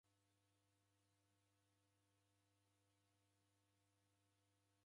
W'ana w'ibarie w'andu w'abaa vifumbi.